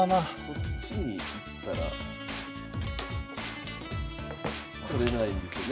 こっちにいったら取れないですよね。